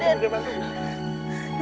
bikin banget bikin banget bi